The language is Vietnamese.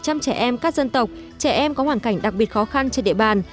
một trăm linh trẻ em các dân tộc trẻ em có hoàn cảnh đặc biệt khó khăn trên địa bàn